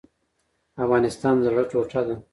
افغانستان د زړه ټوټه ده